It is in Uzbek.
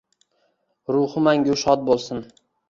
Ruhi mangu shod bo’lsin.